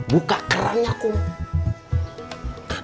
buka kerannya cuk